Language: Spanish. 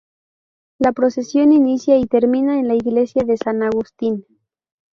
La procesión inicia y termina en la Iglesia de San Agustín.